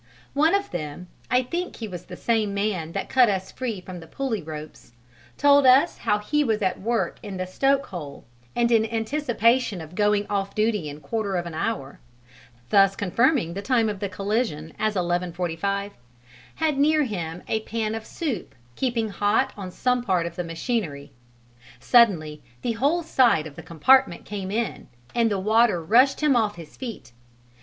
One of them I think he was the same man that cut us free from the pulley ropes told us how he was at work in the stoke hole, and in anticipation of going off duty in quarter of an hour, thus confirming the time of the collision as 11.45, had near him a pan of soup keeping hot on some part of the machinery; suddenly the whole side of the compartment came in, and the water rushed him off his feet.